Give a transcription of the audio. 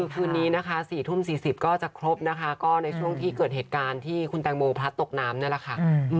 คืนนี้นะคะ๔ทุ่ม๔๐ก็จะครบนะคะก็ในช่วงที่เกิดเหตุการณ์ที่คุณแตงโมพลัดตกน้ำนั่นแหละค่ะ